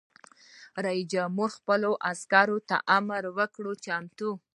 رئیس جمهور خپلو عسکرو ته امر وکړ؛ چمتو!